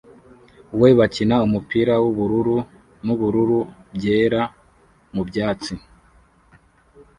we bakina numupira wubururu nubururu byera mubyatsi